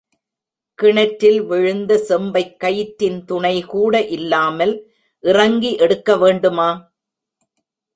கிணற்றில் விழுந்த செம்பைக் கயிற்றின் துணைகூட இல்லாமல் இறங்கி எடுக்க வேண்டுமா?